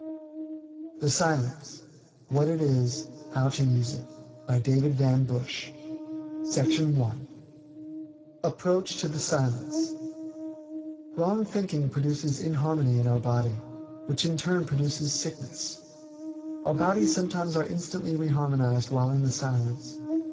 THE SILENCE: What It Is, How To Use It Approach to the Silence Wrong thinking produces inharmony in our body, which in turn produces sickness. Our bodies sometimes are instantly re harmonized while in the Silence.